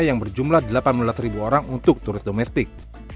yang berjumlah delapan belas orang untuk turis domestik